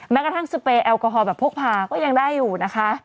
แม้กระทั่งสเปรยแอลกอฮอลแบบพกพาก็ยังได้อยู่นะคะ